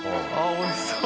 おいしそう。